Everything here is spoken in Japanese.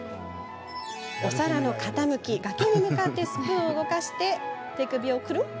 お皿の傾き崖に向かってスプーンを動かし手首をくるん。